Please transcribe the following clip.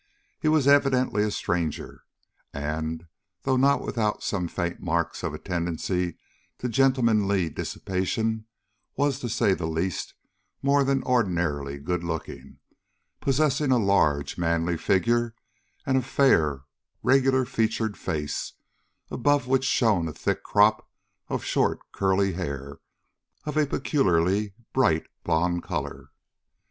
He was evidently a stranger, and, though not without some faint marks of a tendency to gentlemanly dissipation, was, to say the least, more than ordinarily good looking, possessing a large, manly figure, and a fair, regular featured face, above which shone a thick crop of short curly hair of a peculiarly bright blond color.